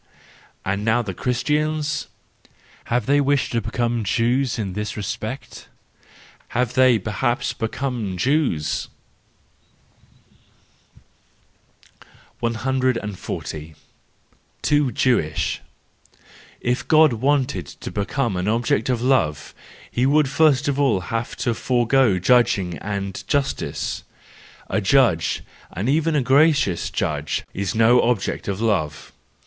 —And now the Christians ? Have they wished to become Jews in this respect? Have they perhaps become Jews ? 140. Too Jewish ,—If God had wanted to become an object of love, he would first of all have had to 12 178 THE JOYFUL WISDOM, III forgo judging and justice:—a judge, and even a gracious judge, is no object of love.